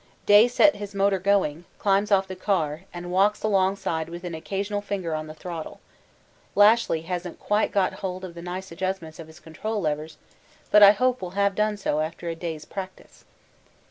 Day sets his motor going, climbs off the car, and walks alongside with an occasional finger on the throttle. Lashly hasn't yet quite got hold of the nice adjustments of his control levers, but I hope will have done so after a day's practice.